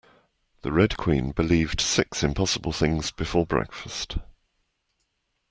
The Red Queen believed six impossible things before breakfast